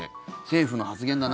政府の発言だ